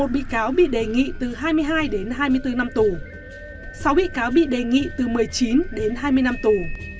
một mươi bị cáo bị đề nghị từ hai mươi hai đến hai mươi bốn năm tù sáu bị cáo bị đề nghị từ một mươi chín đến hai mươi năm tù